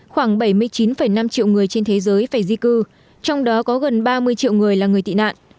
khoảng bảy mươi chín năm triệu người trên thế giới phải di cư trong đó có gần ba mươi triệu người là người tị nạn